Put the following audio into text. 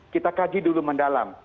kita kaji dulu mendalam